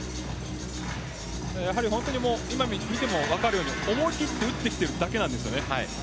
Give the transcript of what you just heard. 今、見ても分かるように思い切って打っているだけです。